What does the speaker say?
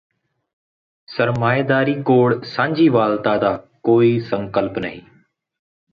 ਸਰਮਾਏਦਾਰੀ ਕੋਲ ਸਾਂਝੀਵਾਲਤਾ ਦਾ ਕੋਈ ਸੰਕਲਪ ਨਹੀਂ